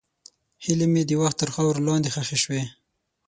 هیلې مې د وخت تر خاورو لاندې ښخې شوې.